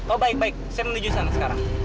oh baik baik saya menuju sana sekarang